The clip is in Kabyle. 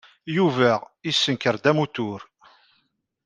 Yuba yessenker-d amutur.